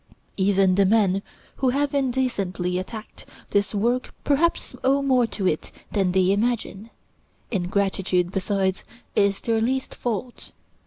Even the men who have indecently attacked this work perhaps owe more to it than they imagine. Ingratitude, besides, is their least fault.